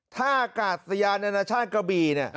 ถ้ากาศยานานชาติกระบีเนี่ย